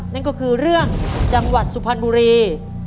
นั่นก็คือเรื่องจังหวัดสุพรรณบุรี